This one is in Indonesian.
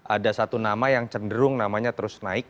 ada satu nama yang cenderung namanya terus naik